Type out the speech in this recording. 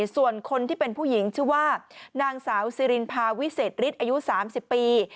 ส่วนคนที่เป็นผู้หญิงชื่อว่านางสาวสิรินพาวิเศษฤทธิ์อายุ๓๐ปี